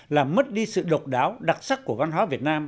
làm mất đi sự độc đáo đặc sắc của văn hóa việt nam